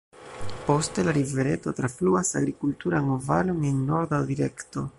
Poste la rivereto trafluas agrikulturan valon en norda direkto.